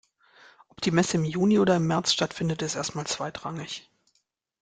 Ob die Messe im Juni oder im März stattfindet, ist erst mal zweitrangig.